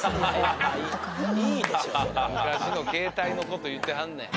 昔の携帯の事言ってはんねん。